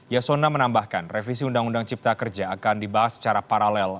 yasona menambahkan revisi undang undang cipta kerja akan dibahas secara paralel